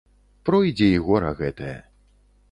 Пройдзе і гора гэтае.